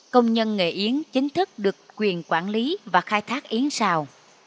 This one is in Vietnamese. công nhân nghề yến chính thức được quyền quản lý và khai thác yến rào